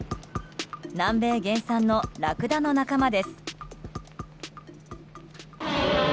南米原産のラクダの仲間です。